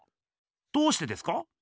どうしてですか？